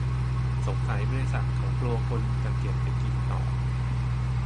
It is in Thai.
สงสัยบริษัทเขากลัวคนจะเก็บไปกินต่อ